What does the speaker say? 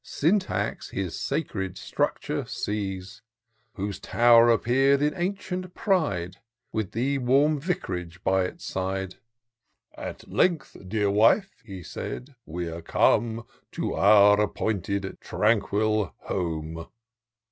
Syntax his sacred structure sees. Whose tow*r appeared in ancient pride. With the warm vic'rage by its side. At length, dear wife," he said, " we're come To our appointed tranquil home."